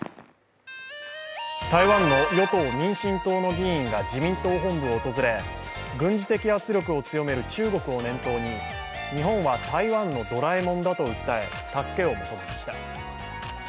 台湾の与党・民進党の議員が自民党本部を訪れ、軍事的圧力を強める中国を念頭に日本は台湾のドラえもんだと訴え助けを求めました。